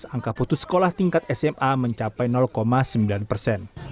angka putus sekolah tingkat sma mencapai sembilan persen